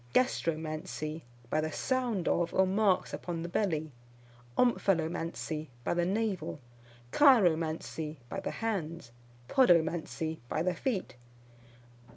Gastromancy, by the sound of, or marks upon the belly. Omphalomancy, by the navel. Chiromancy, by the hands. Podomancy, by the feet.